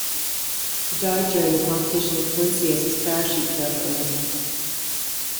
He died during the competition in Quincy as his parachute failed to open.